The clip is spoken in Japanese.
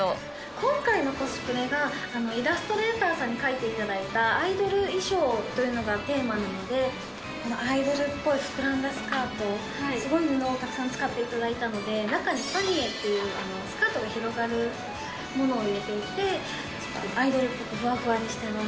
今回のコスプレが、イラストレーターさんに描いていただいたアイドル衣装というのがテーマなので、アイドルっぽい膨らんだスカート、すごい布をたくさん使っていただいたので、中にパニエというスカートの広がるものを入れていて、アイドルっぽく、ふわふわにしてます。